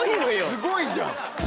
すごいじゃん！